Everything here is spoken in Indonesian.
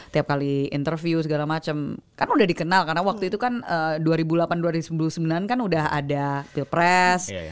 tiap kali interview segala macam kan udah dikenal karena waktu itu kan dua ribu delapan dua ribu sembilan kan udah ada pilpres